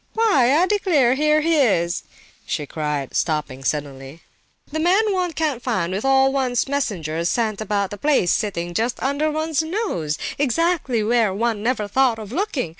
"Why, I declare, here he is!" she cried, stopping suddenly. "The man one can't find with all one's messengers sent about the place, sitting just under one's nose, exactly where one never thought of looking!